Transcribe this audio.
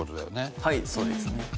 颯喜君：はい、そうですね。